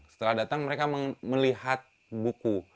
setelah datang mereka melihat buku